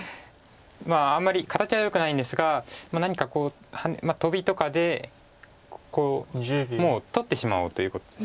まああんまり形はよくないんですが何かこうトビとかでここもう取ってしまおうということです。